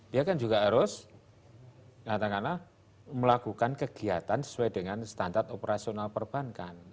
dia kan juga harus katakanlah melakukan kegiatan sesuai dengan standar operasional perbankan